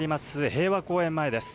平和公園前です。